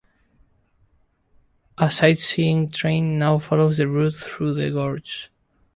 A sightseeing train now follows the route through the gorge.